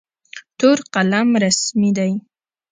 تور قلم رسمي دی.